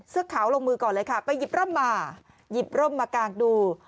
เสื้อขาวลงมือก่อนเลยค่ะไปหยิบร่มมาหยิบร่มมากางดู